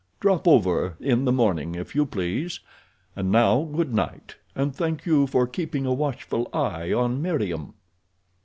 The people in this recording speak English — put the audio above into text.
Drop over in the morning, if you please, and now good night, and thank you for keeping a watchful eye on Meriem."